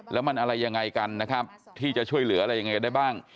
แล้วมันอะไรยังไงกันนะครับที่จะช่วยเหลืออะไรยังไงกันได้บ้าง